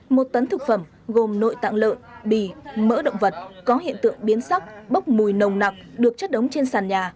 một tấn thực phẩm gồm nội tạng lợn bì mỡ động vật có hiện tượng biến sắc bốc mùi nồng nặc được chất đóng trên sàn nhà